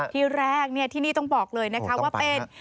ที่แรกที่นี่ต้องบอกเลยนะคะว่าเป็น